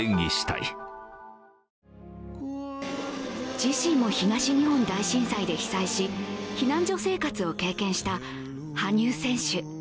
自身も東日本大震災で被災し、避難所生活を経験した羽生選手。